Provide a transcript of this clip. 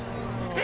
え？